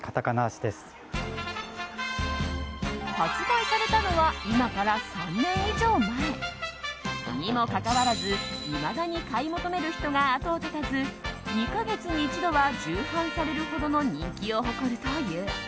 発売されたのは今から３年以上前。にもかかわらずいまだに買い求める人が後を絶たず２か月に一度は重版されるほどの人気を誇るという。